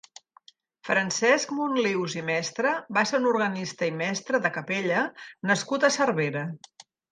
Francesc Monlius i Mestre va ser un organista i mestre de capella nascut a Cervera.